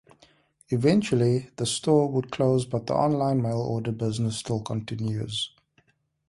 Eventually, the store would close but the online mail order business still continues.